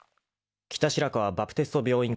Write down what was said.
［北白川バプテスト病院